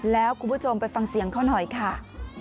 แล้วคุณผู้ชมไปฟังเสียงเขาหน่อยค่ะ